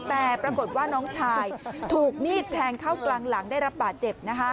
แต่ปรากฏว่าน้องชายถูกมีดแทงเข้ากลางหลังได้รับบาดเจ็บ